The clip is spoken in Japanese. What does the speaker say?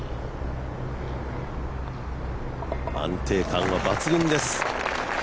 安定感は抜群です。